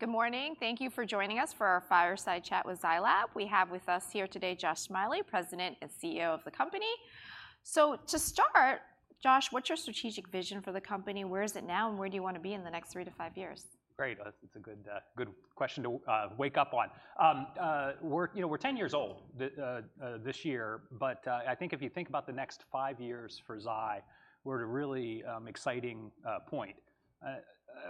Good morning. Thank you for joining us for our fireside chat with Zai Lab. We have with us here today, Josh Smiley, President and COO of the company. So to start, Josh, what's your strategic vision for the company? Where is it now, and where do you want to be in the next three to five years? Great. It's a good, good question to wake up on. We're, you know, we're ten years old this year, but, I think if you think about the next five years for Zai, we're at a really, exciting, point.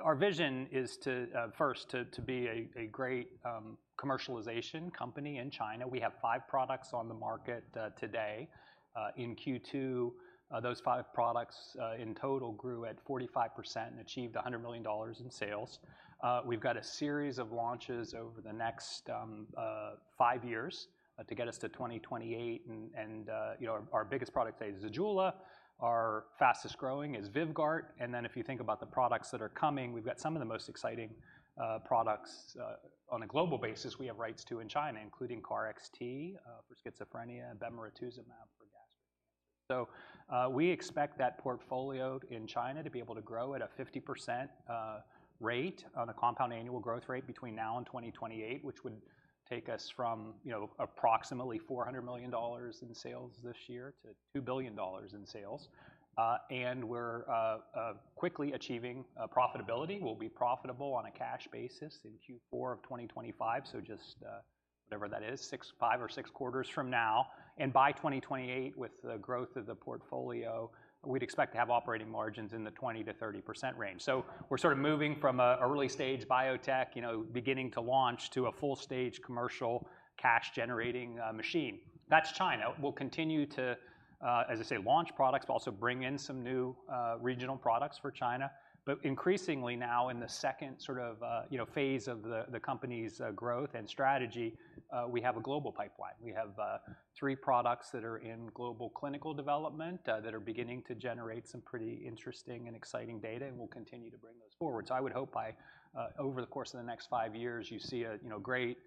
Our vision is to, first to, to be a, a great, commercialization company in China. We have five products on the market, today. In Q2, those five products, in total grew at 45% and achieved $100 million in sales. We've got a series of launches over the next, five years, to get us to 2028 and, and, you know, our biggest product today is ZEJULA, our fastest growing is VYVGART. And then if you think about the products that are coming, we've got some of the most exciting products on a global basis we have rights to in China, including KarXT for schizophrenia and bemarituzumab for gastric cancer. We expect that portfolio in China to be able to grow at a 50% rate on a compound annual growth rate between now and 2028, which would take us from, you know, approximately $400 million in sales this year to $2 billion in sales. We're quickly achieving profitability. We'll be profitable on a cash basis in Q4 of 2025, so just whatever that is, five or six quarters from now. By 2028, with the growth of the portfolio, we'd expect to have operating margins in the 20%-30% range. So we're sort of moving from an early stage biotech, you know, beginning to launch, to a full stage commercial, cash-generating, machine. That's China. We'll continue to, as I say, launch products, but also bring in some new, regional products for China. But increasingly now in the second sort of, you know, phase of the company's growth and strategy, we have a global pipeline. We have three products that are in global clinical development that are beginning to generate some pretty interesting and exciting data, and we'll continue to bring those forward. So I would hope by over the course of the next five years, you see a, you know, great,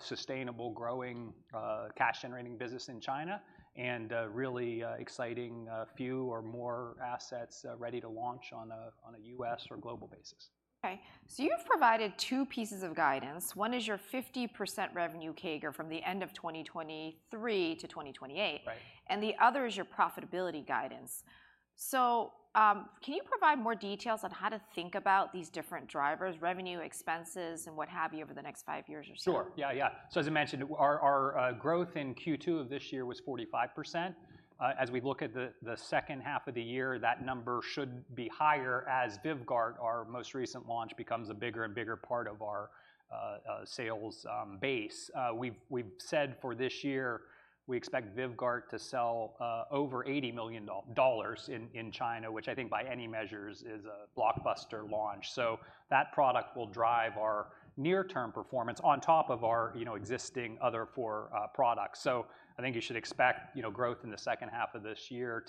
sustainable, growing, cash-generating business in China and, really, exciting, few or more assets, ready to launch on a U.S. or global basis. You've provided two pieces of guidance. One is your 50% revenue CAGR from the end of 2023 to 2028. Right. And the other is your profitability guidance. So, can you provide more details on how to think about these different drivers, revenue, expenses, and what have you, over the next five years or so? Sure. Yeah. So as I mentioned, our growth in Q2 of this year was 45%. As we look at the second half of the year, that number should be higher as VYVGART, our most recent launch, becomes a bigger and bigger part of our sales base. We've said for this year, we expect VYVGART to sell over $80 million in China, which I think by any measures is a blockbuster launch. So that product will drive our near-term performance on top of our, you know, existing other four products. So I think you should expect, you know, growth in the second half of this year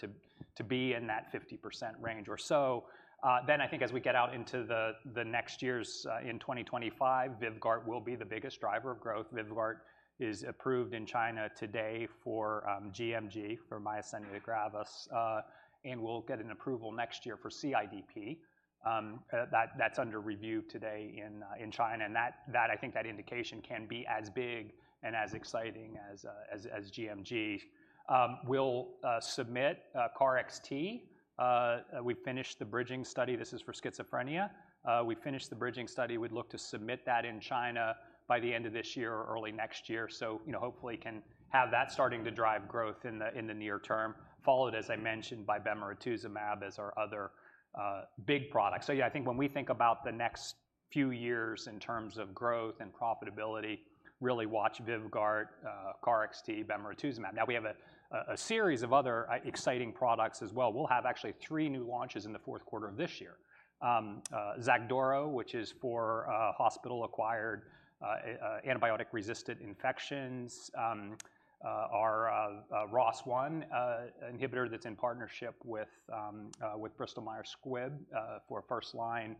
to be in that 50% range or so. I think as we get out into the next years, in 2025, VYVGART will be the biggest driver of growth. VYVGART is approved in China today for gMG, for myasthenia gravis, and will get an approval next year for CIDP. That's under review today in China, and that indication can be as big and as exciting as gMG. We'll submit KarXT. We've finished the bridging study. This is for schizophrenia. We'd look to submit that in China by the end of this year or early next year. So, you know, hopefully can have that starting to drive growth in the near term, followed, as I mentioned, by bemarituzumab as our other big product. So yeah, I think when we think about the next few years in terms of growth and profitability, really watch VYVGART, KarXT, bemarituzumab. Now we have a series of other exciting products as well. We'll have actually three new launches in the fourth quarter of this year. XACDURO, which is for hospital-acquired antibiotic-resistant infections, our ROS1 inhibitor that's in partnership with Bristol Myers Squibb for first line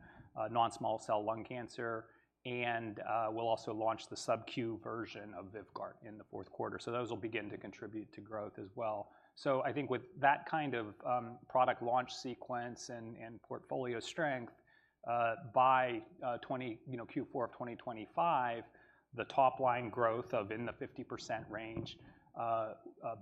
non-small cell lung cancer, and we'll also launch the SubQ version of VYVGART in the fourth quarter. So those will begin to contribute to growth as well. So I think with that kind of product launch sequence and portfolio strength, by you know, Q4 of 2025, the top line growth in the 50% range,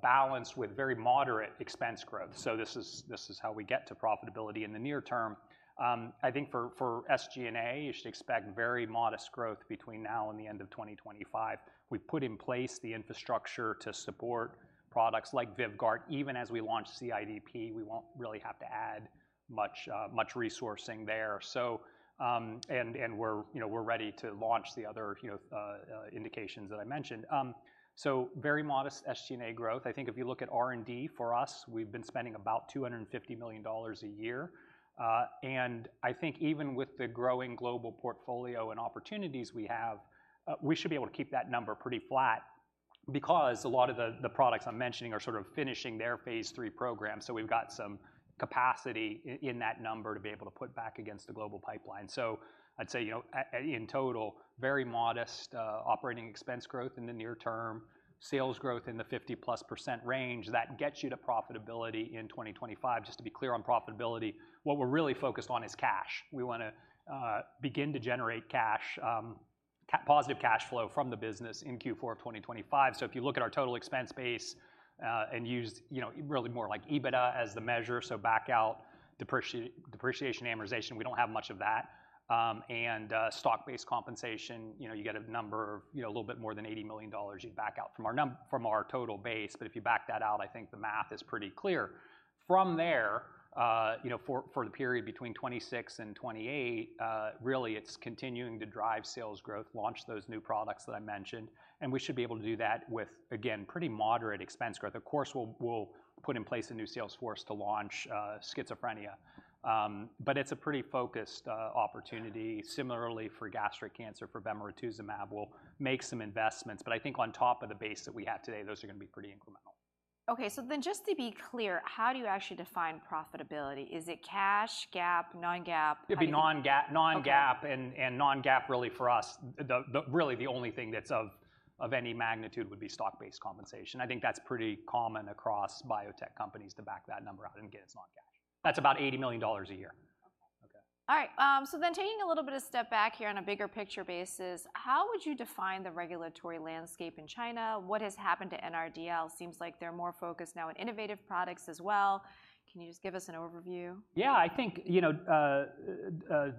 balanced with very moderate expense growth. So this is how we get to profitability in the near term. I think for SG&A, you should expect very modest growth between now and the end of 2025. We've put in place the infrastructure to support products like VYVGART. Even as we launch CIDP, we won't really have to add much resourcing there. So and we're, you know, we're ready to launch the other, you know, indications that I mentioned. So very modest SG&A growth. I think if you look at R&D for us, we've been spending about $250 million a year. And I think even with the growing global portfolio and opportunities we have, we should be able to keep that number pretty flat because a lot of the products I'm mentioning are sort of finishing their phase III program, so we've got some capacity in that number to be able to put back against the global pipeline. So I'd say, you know, in total, very modest operating expense growth in the near term, sales growth in the 50%+ range, that gets you to profitability in 2025. Just to be clear on profitability, what we're really focused on is cash. We wanna begin to generate cash, positive cash flow from the business in Q4 of 2025. So if you look at our total expense base, and use, you know, really more like EBITDA as the measure, so back out depreciation, amortization, we don't have much of that. And stock-based compensation, you know, you get a number of, you know, a little bit more than $80 million you'd back out from our total base. But if you back that out, I think the math is pretty clear. From there, you know, for the period between 2026 and 2028, really, it's continuing to drive sales growth, launch those new products that I mentioned, and we should be able to do that with, again, pretty moderate expense growth. Of course, we'll put in place a new sales force to launch schizophrenia. But it's a pretty focused opportunity. Similarly, for gastric cancer, for bemarituzumab, we'll make some investments. But I think on top of the base that we have today, those are gonna be pretty incremental. Okay, so then just to be clear, how do you actually define profitability? Is it cash, GAAP, non-GAAP? It'd be Non-GAAP. Non-GAAP, and non-GAAP really for us, really, the only thing that's of any magnitude would be stock-based compensation. I think that's pretty common across biotech companies to back that number out, again, it's non-GAAP. That's about $80 million a year. All right, so then taking a little bit of step back here on a bigger picture basis, how would you define the regulatory landscape in China? What has happened to NRDL? Seems like they're more focused now on innovative products as well. Can you just give us an overview? Yeah, I think, you know,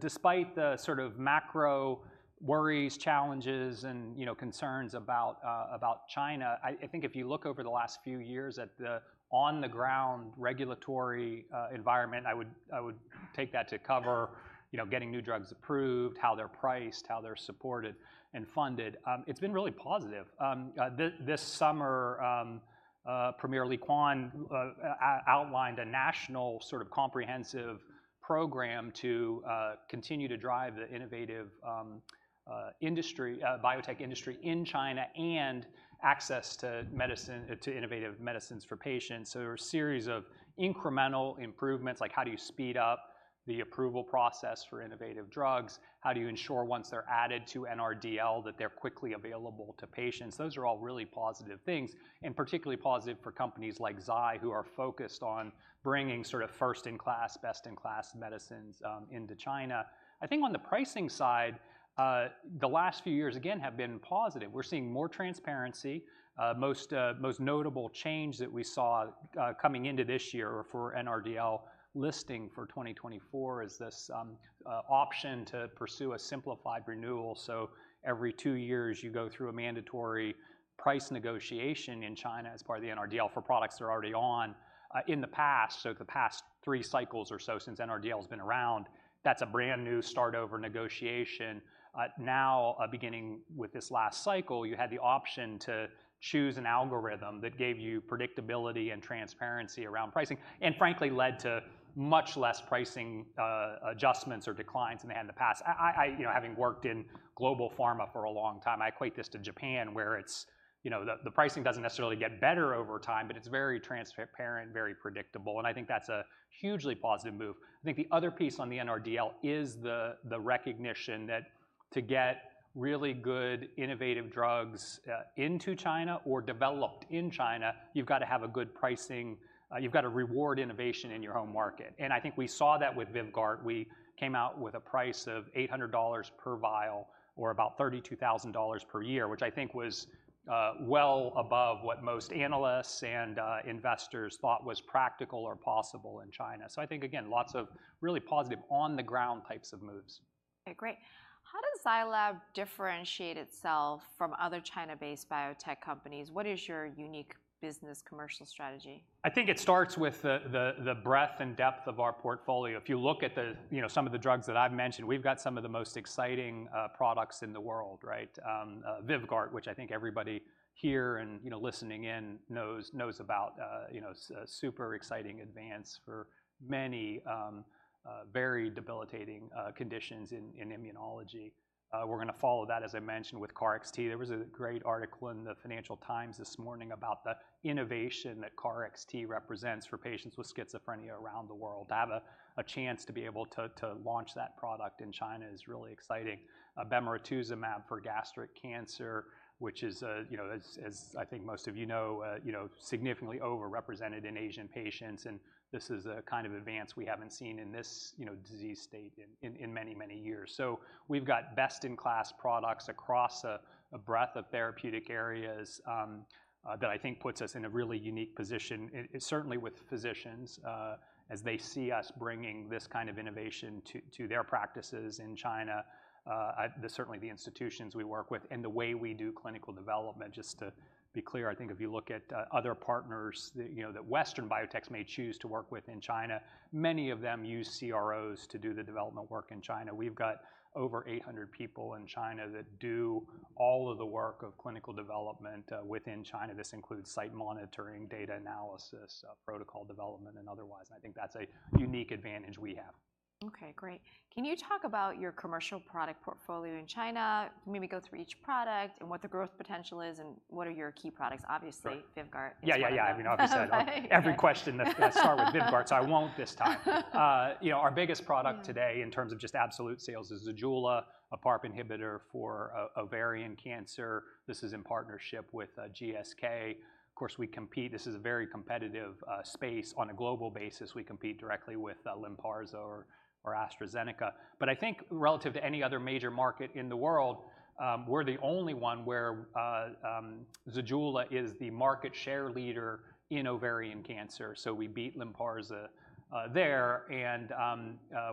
despite the sort of macro worries, challenges, and, you know, concerns about, about China, I think if you look over the last few years at the on-the-ground regulatory environment, I would take that to cover, you know, getting new drugs approved, how they're priced, how they're supported and funded. It's been really positive. This summer, Premier Li Qiang outlined a national sort of comprehensive program to continue to drive the innovative industry, biotech industry in China and access to medicine, to innovative medicines for patients. So a series of incremental improvements, like how do you speed up the approval process for innovative drugs? How do you ensure once they're added to NRDL, that they're quickly available to patients? Those are all really positive things, and particularly positive for companies like Zai, who are focused on bringing sort of first-in-class, best-in-class medicines into China. I think on the pricing side, the last few years, again, have been positive. We're seeing more transparency. Most notable change that we saw coming into this year or for NRDL listing for 2024 is this option to pursue a simplified renewal. Every two years, you go through a mandatory price negotiation in China as part of the NRDL for products that are already on, in the past, so the past three cycles or so, since NRDL has been around, that's a brand-new start over negotiation. Now, beginning with this last cycle, you had the option to choose an algorithm that gave you predictability and transparency around pricing, and frankly, led to much less pricing adjustments or declines than they had in the past. You know, having worked in global pharma for a long time, I equate this to Japan, where it's, you know, the pricing doesn't necessarily get better over time, but it's very transparent, very predictable, and I think that's a hugely positive move. I think the other piece on the NRDL is the recognition that to get really good, innovative drugs into China or developed in China, you've got to have a good pricing. You've got to reward innovation in your home market. And I think we saw that with VYVGART. We came out with a price of $800 per vial or about $32,000 per year, which I think was well above what most analysts and investors thought was practical or possible in China. I think, again, lots of really positive on the ground types of moves. Okay, great. How does Zai Lab differentiate itself from other China-based biotech companies? What is your unique business commercial strategy? I think it starts with the breadth and depth of our portfolio. If you look at the, you know, some of the drugs that I've mentioned, we've got some of the most exciting products in the world, right? VYVGART, which I think everybody here and, you know, listening in knows about, you know, a super exciting advance for many very debilitating conditions in immunology. We're gonna follow that, as I mentioned, with KarXT. There was a great article in the Financial Times this morning about the innovation that KarXT represents for patients with schizophrenia around the world. To have a chance to be able to launch that product in China is really exciting bemarituzumab for gastric cancer, which is, you know, as I think most of you know, you know, significantly overrepresented in Asian patients, and this is a kind of advance we haven't seen in this, you know, disease state in many, many years. So we've got best-in-class products across a breadth of therapeutic areas, that I think puts us in a really unique position, certainly with physicians, as they see us bringing this kind of innovation to their practices in China. Certainly the institutions we work with and the way we do clinical development. Just to be clear, I think if you look at other partners that, you know, Western biotechs may choose to work with in China, many of them use CROs to do the development work in China. We've got over eight hundred people in China that do all of the work of clinical development, within China. This includes site monitoring, data analysis, protocol development, and otherwise, I think that's a unique advantage we have. Okay, great. Can you talk about your commercial product portfolio in China? Maybe go through each product and what the growth potential is, and what are your key products? Obviously- Sure VYVGART. Yeah, yeah, yeah. I mean, obviously- [inaudible] ..every question that's gonna start with VYVGART, so I won't this time. You know, our biggest product. Yeah today in terms of just absolute sales is ZEJULA, a PARP inhibitor for ovarian cancer. This is in partnership with GSK. Of course, we compete. This is a very competitive space on a global basis. We compete directly with Lynparza or AstraZeneca. But I think relative to any other major market in the world, we're the only one where ZEJULA is the market share leader in ovarian cancer, so we beat Lynparza there.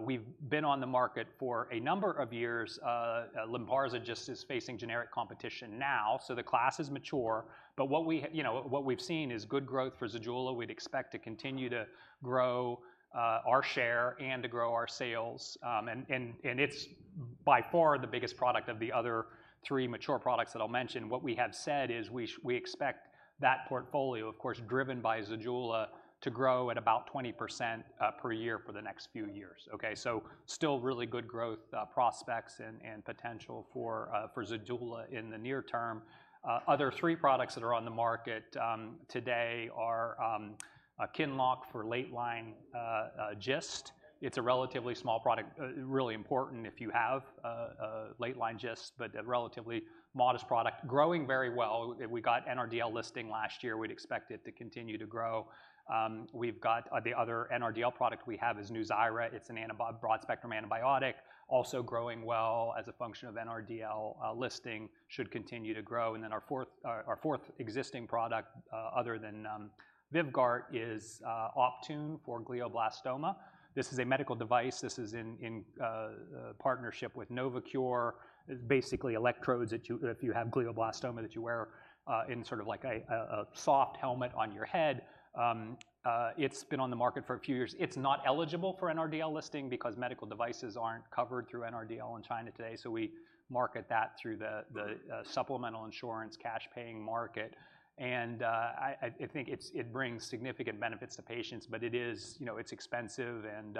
We've been on the market for a number of years. Lynparza just is facing generic competition now, so the class is mature, but, you know, what we've seen is good growth for ZEJULA. We'd expect to continue to grow our share and to grow our sales. And it's by far the biggest product of the other three mature products that I'll mention. What we have said is we expect that portfolio, of course, driven by ZEJULA, to grow at about 20% per year for the next few years, okay? So still really good growth prospects and potential for ZEJULA in the near term. Other three products that are on the market today are Qinlock for late-line GIST. It's a relatively small product, really important if you have a late-line GIST, but a relatively modest product. Growing very well. We got NRDL listing last year. We'd expect it to continue to grow. We've got the other NRDL product we have is NUZYRA. It's a broad-spectrum antibiotic, also growing well as a function of NRDL listing, should continue to grow. And then our fourth existing product, other than VYVGART, is Optune for glioblastoma. This is a medical device. This is in partnership with Novocure. It's basically electrodes that you wear in sort of like a soft helmet on your head. It's been on the market for a few years. It's not eligible for NRDL listing because medical devices aren't covered through NRDL in China today, so we market that through the supplemental insurance, cash paying market. And I think it brings significant benefits to patients, but it is, you know, it's expensive and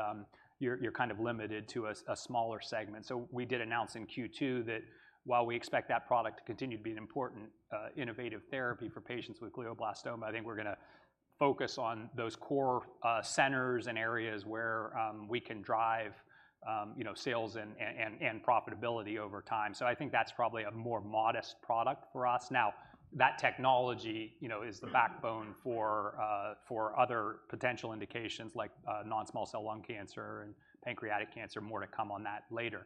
you're kind of limited to a smaller segment. So we did announce in Q2 that while we expect that product to continue to be an important innovative therapy for patients with glioblastoma, I think we're gonna focus on those core centers and areas where we can drive you know sales and profitability over time. So I think that's probably a more modest product for us. Now, that technology you know is the backbone for other potential indications like non-small cell lung cancer and pancreatic cancer. More to come on that later.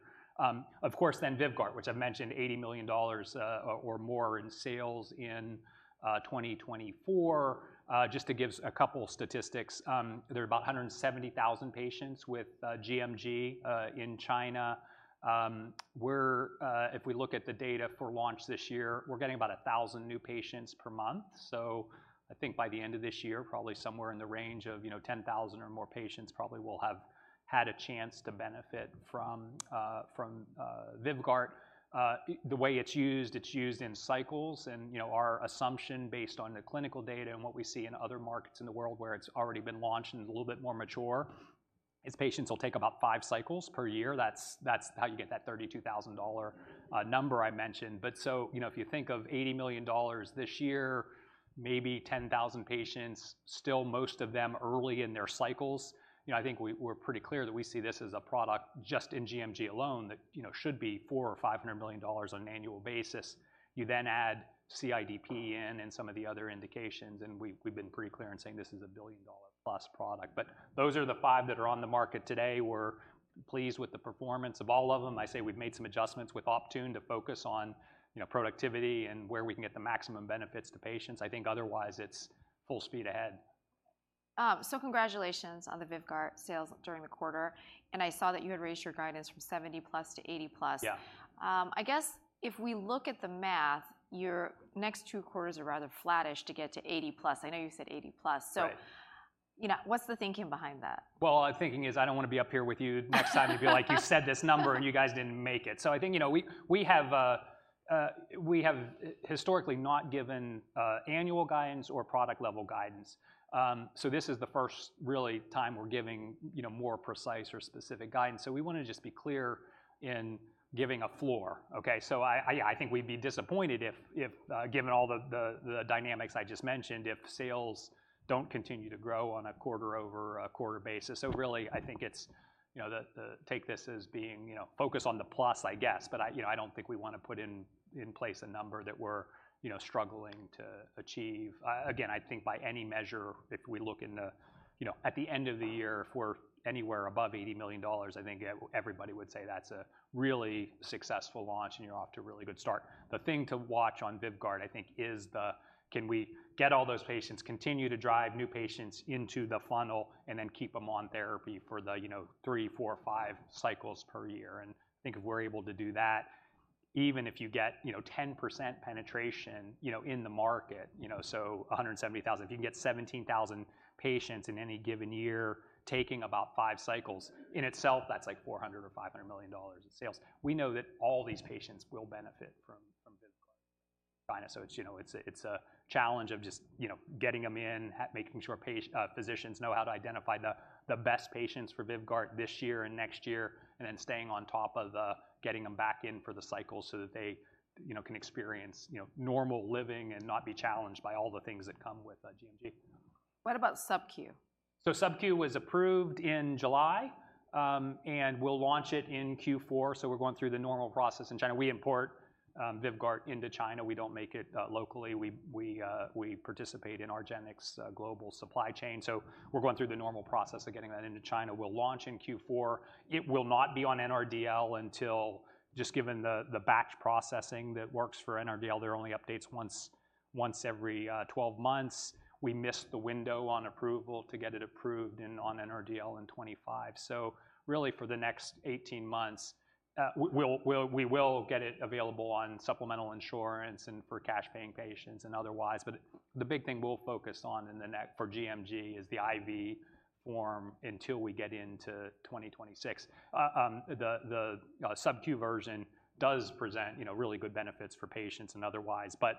Of course, then VYVGART, which I've mentioned, $80 million or more in sales in 2024. Just to give us a couple statistics, there are about 170,000 patients with gMG in China. If we look at the data for launch this year, we're getting about 1,000 new patients per month. So I think by the end of this year, probably somewhere in the range of, you know, 10,000 or more patients probably will have had a chance to benefit from VYVGART. The way it's used, it's used in cycles. You know, our assumption, based on the clinical data and what we see in other markets in the world where it's already been launched and a little bit more mature, is patients will take about five cycles per year. That's how you get that $32,000 number I mentioned. But so, you know, if you think of $80 million this year, maybe 10,000 patients, still most of them early in their cycles, you know, I think we're pretty clear that we see this as a product just in gMG alone, that, you know, should be $400 million-$500 million on an annual basis. You then add CIDP in and some of the other indications, and we've been pretty clear in saying this is a billion dollar plus product. But those are the five that are on the market today. We're pleased with the performance of all of them. I say we've made some adjustments with Optune to focus on, you know, productivity and where we can get the maximum benefits to patients. I think otherwise it's full speed ahead. Congratulations on the VYVGART sales during the quarter, and I saw that you had raised your guidance from $70 million + to $80 million + Yeah. I guess if we look at the math, your next two quarters are rather flattish to get to $80 million +. I know you said $80 million +. Right. So, you know, what's the thinking behind that? Our thinking is I don't wanna be up here with you next time and be like, "You said this number, and you guys didn't make it." So I think, you know, we have historically not given annual guidance or product level guidance. So this is the first really time we're giving, you know, more precise or specific guidance. So we wanna just be clear in giving a floor, okay? So I think we'd be disappointed if, given all the dynamics I just mentioned, if sales don't continue to grow on a quarter-over-quarter basis. So really, I think it's, you know, take this as being, you know, focus on the plus, I guess. But, you know, I don't think we wanna put in place a number that we're, you know, struggling to achieve. Again, I think by any measure, if we look, you know, at the end of the year, if we're anywhere above $80 million, I think everybody would say that's a really successful launch and you're off to a really good start. The thing to watch on VYVGART, I think, is can we get all those patients, continue to drive new patients into the funnel, and then keep them on therapy for the, you know, three, four, five cycles per year? I think if we're able to do that, even if you get, you know, 10% penetration, you know, in the market, you know, so 170,000, if you can get 17,000 patients in any given year, taking about 5 cycles, in itself, that's like $400 million-$500 million in sales. We know that all these patients will benefit from VYVGART. So it's, you know, it's a challenge of just, you know, getting them in, making sure physicians know how to identify the best patients for VYVGART this year and next year, and then staying on top of getting them back in for the cycles so that they, you know, can experience, you know, normal living and not be challenged by all the things that come with gMG.... What about SubQ? SubQ was approved in July, and we'll launch it in Q4, so we're going through the normal process in China. We import VYVGART into China. We don't make it locally. We participate in argenx's global supply chain. So we're going through the normal process of getting that into China. We'll launch in Q4. It will not be on NRDL until just given the batch processing that works for NRDL. There are only updates once every twelve months. We missed the window on approval to get it approved on NRDL in 2025. So really, for the next eighteen months, we'll get it available on supplemental insurance and for cash-paying patients, and otherwise. But the big thing we'll focus on in the next for gMG is the IV form until we get into 2026. The SubQ version does present, you know, really good benefits for patients and otherwise. But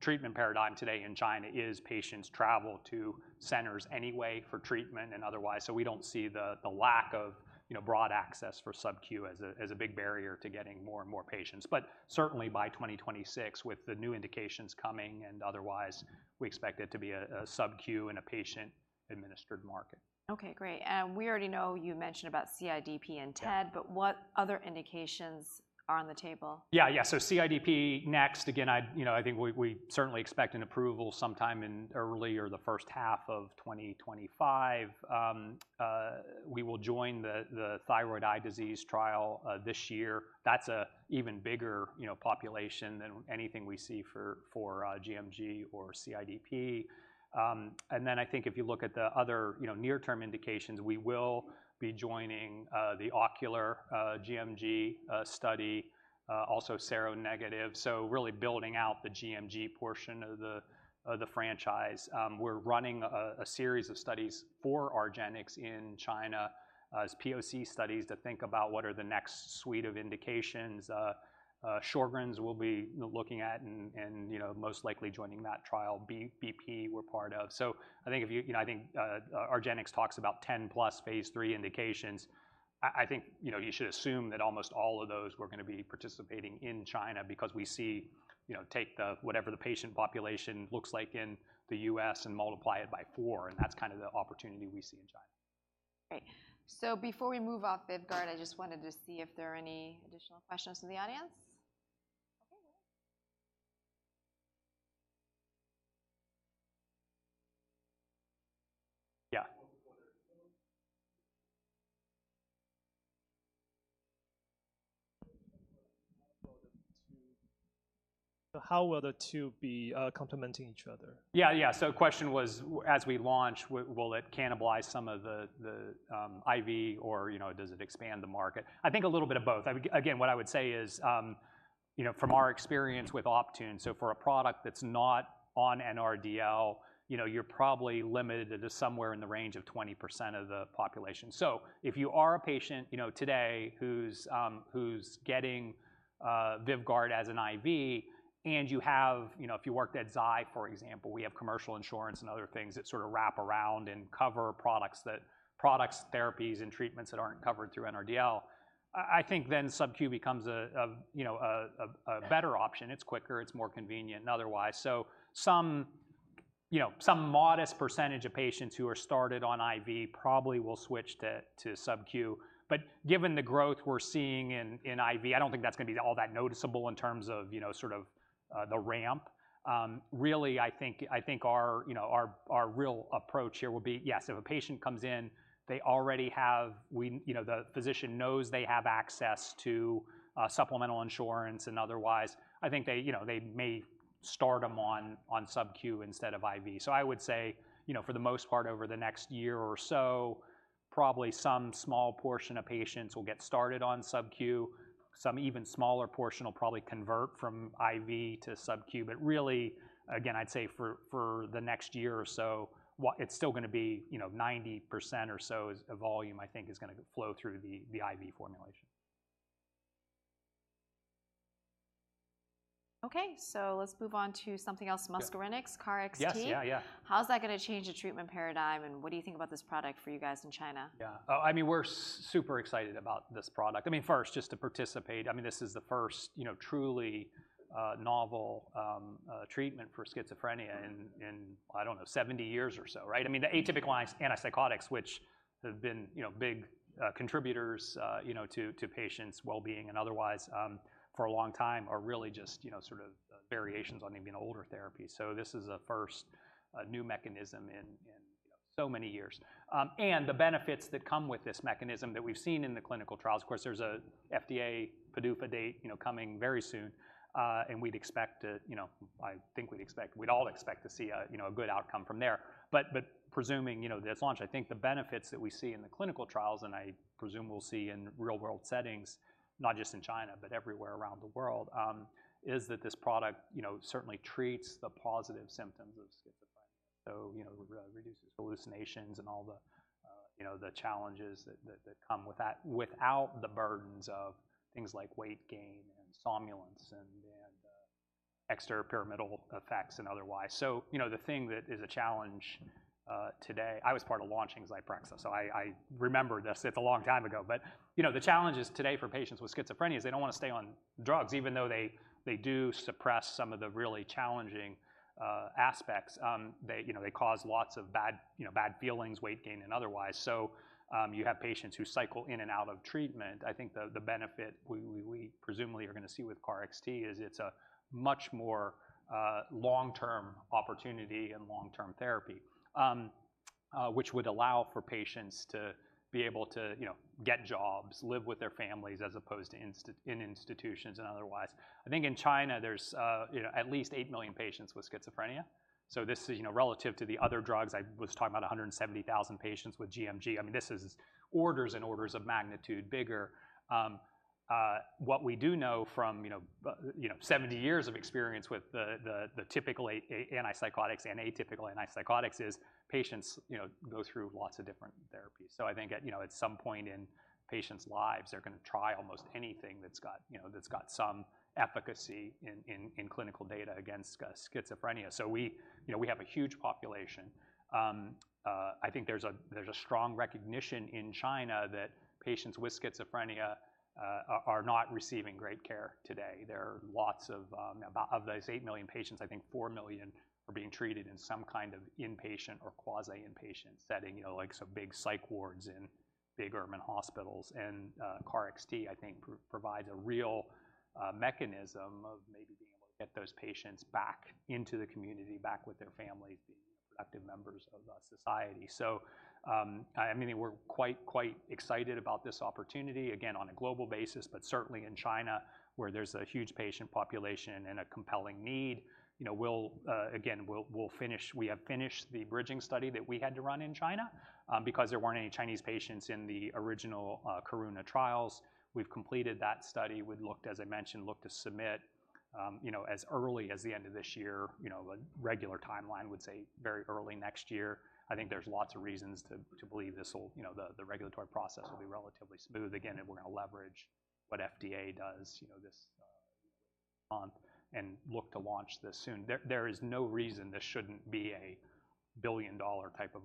treatment paradigm today in China is, patients travel to centers anyway for treatment and otherwise, so we don't see the lack of, you know, broad access for SubQ as a big barrier to getting more and more patients. But certainly, by 2026, with the new indications coming and otherwise, we expect it to be a SubQ and a patient-administered market. Okay, great. And we already know you mentioned about CIDP and TED- Yeah. but what other indications are on the table? Yeah. Yeah, so CIDP, next. Again, I, you know, I think we certainly expect an approval sometime in early or the first half of 2025. We will join the thyroid eye disease trial this year. That's a even bigger, you know, population than anything we see for gMG or CIDP. And then I think if you look at the other, you know, near-term indications, we will be joining the ocular gMG study, also seronegative, so really building out the gMG portion of the franchise. We're running a series of studies for argenx in China as POC studies, to think about what are the next suite of indications. Sjögren's, we'll be, you know, looking at and most likely joining that trial. BP, we're part of. I think if you... You know, I think, argenx talks about 10 plus phase III indications. I think, you know, you should assume that almost all of those, we're gonna be participating in China because we see. You know, take the, whatever the patient population looks like in the U.S. and multiply it by four, and that's kind of the opportunity we see in China. Great. So before we move off VYVGART, I just wanted to see if there are any additional questions from the audience? Okay, well. Yeah. So how will the two be complementing each other? Yeah, yeah. So the question was, as we launch, will it cannibalize some of the IV or, you know, does it expand the market? I think a little bit of both. Again, what I would say is, you know, from our experience with Optune, so for a product that's not on NRDL, you know, you're probably limited to just somewhere in the range of 20% of the population. So if you are a patient, you know, today, who's getting VYVGART as an IV, and you have... You know, if you worked at Zai, for example, we have commercial insurance and other things that sort of wrap around and cover products, therapies and treatments that aren't covered through NRDL. I think then SubQ becomes a, you know, a better option. It's quicker, it's more convenient, and otherwise. So some, you know, some modest percentage of patients who are started on IV probably will switch to SubQ. But given the growth we're seeing in IV, I don't think that's gonna be all that noticeable in terms of, you know, sort of the ramp. Really, I think our real approach here will be, yes, if a patient comes in, they already have. You know, the physician knows they have access to supplemental insurance and otherwise. I think they, you know, they may start them on, on SubQ instead of IV. So I would say, you know, for the most part, over the next year or so, probably some small portion of patients will get started on SubQ. Some even smaller portion will probably convert from IV to SubQ. But really, again, I'd say for the next year or so, it's still gonna be, you know, 90% or so of volume, I think, is gonna flow through the IV formulation. Okay, so let's move on to something else. Yeah. Muscarinic, KarXT Yes. Yeah, yeah. How's that gonna change the treatment paradigm, and what do you think about this product for you guys in China? Yeah. Oh, I mean, we're super excited about this product. I mean, first, just to participate, I mean, this is the first, you know, truly, novel treatment for schizophrenia in, I don't know, seventy years or so, right? I mean, the atypical antipsychotics, which have been, you know, big, contributors, you know, to, to patients' well-being and otherwise, for a long time, are really just, you know, sort of, variations on even older therapies. So this is a first, new mechanism in so many years. And the benefits that come with this mechanism that we've seen in the clinical trials. Of course, there's a FDA PDUFA date, you know, coming very soon, and we'd expect it, you know, I think we'd expect, we'd all expect to see a, you know, a good outcome from there. But presuming, you know, the launch, I think the benefits that we see in the clinical trials, and I presume we'll see in real-world settings, not just in China, but everywhere around the world, is that this product, you know, certainly treats the positive symptoms of schizophrenia. So, you know, reduces hallucinations and all the, you know, the challenges that come with that, without the burdens of things like weight gain and somnolence and extrapyramidal effects and otherwise. So, you know, the thing that is a challenge today, I was part of launching Zyprexa, so I remember this. It's a long time ago. But, you know, the challenges today for patients with schizophrenia is they don't wanna stay on drugs, even though they do suppress some of the really challenging aspects. They, you know, they cause lots of bad, you know, bad feelings, weight gain, and otherwise. So, you have patients who cycle in and out of treatment. I think the benefit we presumably are gonna see with KarXT is it's a much more long-term opportunity and long-term therapy. Which would allow for patients to be able to, you know, get jobs, live with their families, as opposed to in institutions and otherwise. I think in China, there's, you know, at least eight million patients with schizophrenia. So this is, you know, relative to the other drugs, I was talking about a hundred and seventy thousand patients with gMG. I mean, this is orders and orders of magnitude bigger. What we do know from, you know, 70 years of experience with the typical antipsychotics and atypical antipsychotics, is patients, you know, go through lots of different therapies. So I think, you know, at some point in patients' lives, they're gonna try almost anything that's got, you know, that's got some efficacy in clinical data against schizophrenia. So we, you know, we have a huge population. I think there's a strong recognition in China that patients with schizophrenia are not receiving great care today. There are lots of those 8 million patients, I think 4 million are being treated in some kind of inpatient or quasi-inpatient setting, you know, like some big psych wards in big urban hospitals. KarXT, I think, provides a real mechanism of maybe being able to get those patients back into the community, back with their families, being active members of the society. So, I mean, we're quite, quite excited about this opportunity, again, on a global basis, but certainly in China, where there's a huge patient population and a compelling need. You know, we have finished the bridging study that we had to run in China, because there weren't any Chinese patients in the original Karuna trials. We've completed that study. We'd looked, as I mentioned, to submit, you know, as early as the end of this year. You know, a regular timeline would say very early next year. I think there's lots of reasons to believe this will... You know, the regulatory process will be relatively smooth. Again, and we're gonna leverage what FDA does, you know, this month and look to launch this soon. There is no reason this shouldn't be a billion-dollar type of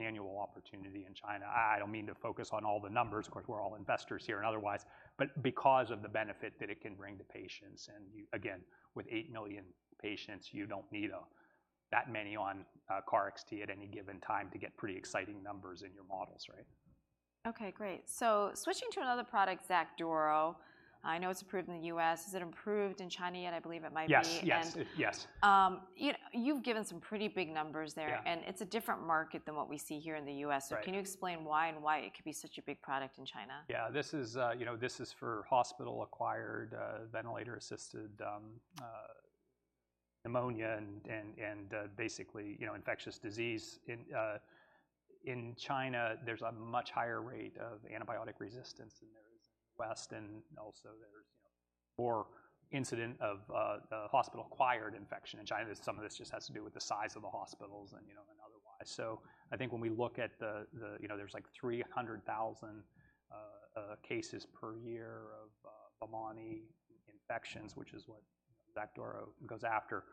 annual opportunity in China. I don't mean to focus on all the numbers, of course, we're all investors here and otherwise, but because of the benefit that it can bring to patients. And you... Again, with eight million patients, you don't need that many on KarXT at any given time to get pretty exciting numbers in your models, right? Okay, great. So switching to another product, XACDURO, I know it's approved in the U.S. Is it approved in China yet? I believe it might be. Yes, yes. Yes. You've given some pretty big numbers there. Yeah. and it's a different market than what we see here in the U.S. Right. So can you explain why, and why it could be such a big product in China? Yeah, this is, you know, this is for hospital-acquired, ventilator-associated, pneumonia and basically, you know, infectious disease. In China, there's a much higher rate of antibiotic resistance than there is in the West, and also there's, you know, more incidence of, hospital-acquired infection in China. Some of this just has to do with the size of the hospitals and, you know, otherwise. So I think when we look at the. You know, there's like 300,000 cases per year of, pneumonia infections, which is what XACDURO goes after.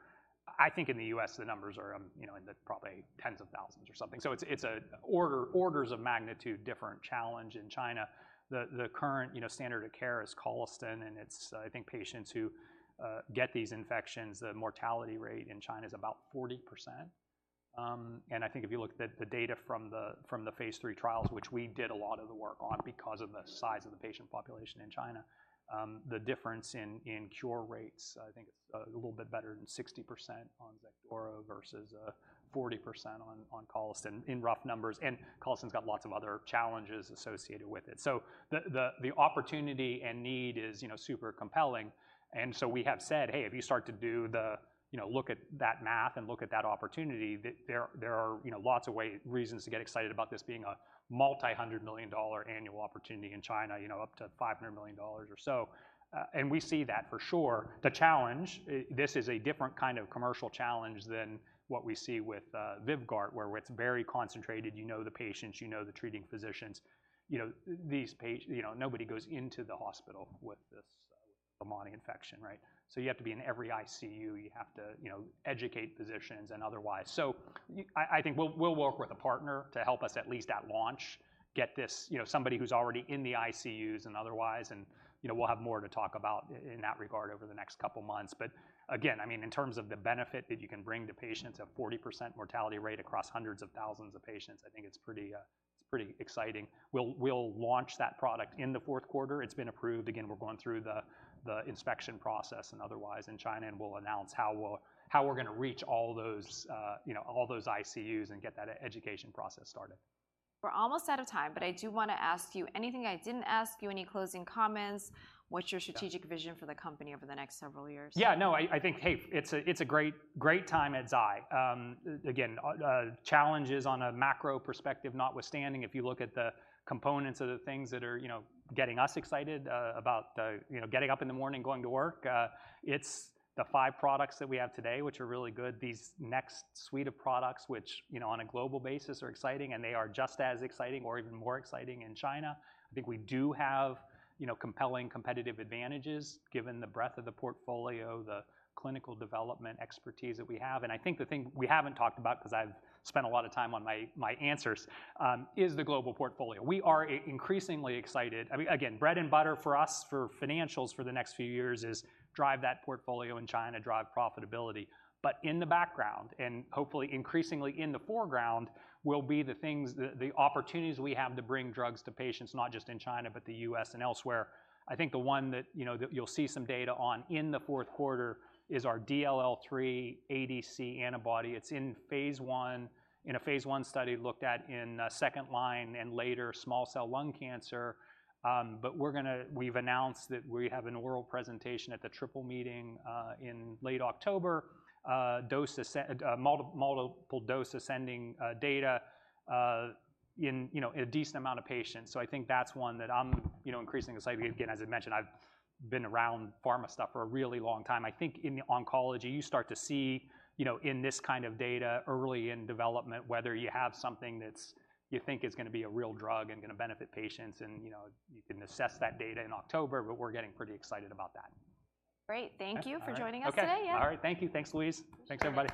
I think in the U.S., the numbers are, you know, in the probably tens of thousands or something. So it's, it's an order, orders of magnitude different challenge in China. The current, you know, standard of care is colistin, and it's. I think patients who get these infections, the mortality rate in China is about 40%. And I think if you look at the data from the phase III trials, which we did a lot of the work on because of the size of the patient population in China, the difference in cure rates, I think it's a little bit better than 60% on XACDURO versus 40% on colistin in rough numbers, and colistin's got lots of other challenges associated with it. So the opportunity and need is, you know, super compelling, and so we have said, "Hey, if you start to do the.. You know, look at that math and look at that opportunity. There are, you know, lots of reasons to get excited about this being a multi-hundred million dollar annual opportunity in China, you know, up to 500 million or so. And we see that for sure. The challenge, this is a different kind of commercial challenge than what we see with VYVGART, where it's very concentrated. You know the patients, you know the treating physicians. You know, these patients, you know, nobody goes into the hospital with this pneumonia infection, right? So you have to be in every ICU, you have to, you know, educate physicians and otherwise. I think we'll work with a partner to help us, at least at launch, get this, you know, somebody who's already in the ICUs and otherwise, and, you know, we'll have more to talk about in that regard over the next couple months. But again, I mean, in terms of the benefit that you can bring to patients, a 40% mortality rate across hundreds of thousands of patients, I think it's pretty, it's pretty exciting. We'll launch that product in the fourth quarter. It's been approved. Again, we're going through the inspection process and otherwise in China, and we'll announce how we're gonna reach all those, you know, all those ICUs and get that education process started. We're almost out of time, but I do wanna ask you, anything I didn't ask you, any closing comments? What's your strategic- Yeah... vision for the company over the next several years? Yeah, no, I think it's a great, great time at Zai. Again, challenges on a macro perspective notwithstanding, if you look at the components of the things that are, you know, getting us excited about, you know, getting up in the morning, going to work, it's the five products that we have today, which are really good. These next suite of products which, you know, on a global basis, are exciting, and they are just as exciting or even more exciting in China. I think we do have, you know, compelling competitive advantages given the breadth of the portfolio, the clinical development expertise that we have. And I think the thing we haven't talked about, 'cause I've spent a lot of time on my answers, is the global portfolio. We are increasingly excited. I mean, again, bread and butter for us, for financials for the next few years is drive that portfolio in China, drive profitability. But in the background, and hopefully increasingly in the foreground, will be the things, the opportunities we have to bring drugs to patients, not just in China, but the U.S. and elsewhere. I think the one that, you know, that you'll see some data on in the fourth quarter is our DLL3 ADC antibody. It's in phase I in a phase I study, looked at in second line and later small cell lung cancer. But we're gonna. We've announced that we have an oral presentation at the ESMO meeting in late October, dose escalation, multiple-dose ascending data in, you know, a decent amount of patients. So I think that's one that I'm, you know, increasingly excited. Again, as I mentioned, I've been around pharma stuff for a really long time. I think in oncology, you start to see, you know, in this kind of data early in development, whether you have something that's you think is gonna be a real drug and gonna benefit patients. You know, you can assess that data in October, but we're getting pretty excited about that. Great. Thank you for joining us today. Okay. Yeah. All right, thank you. Thanks, Louise. Thanks, everybody.